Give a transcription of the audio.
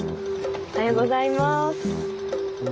おはようございます。